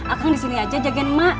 akang disini aja jagain emak